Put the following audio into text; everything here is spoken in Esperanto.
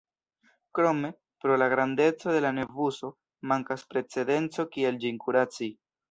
Krome, pro la grandeco de la nevuso, mankas precedenco kiel ĝin kuraci.